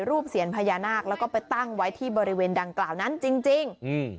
เสียญพญานาคแล้วก็ไปตั้งไว้ที่บริเวณดังกล่าวนั้นจริงจริงอืม